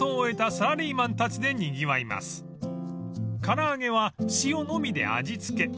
［唐揚げは塩のみで味付け］